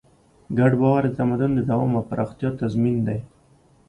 ګډ باور د تمدن د دوام او پراختیا تضمین دی.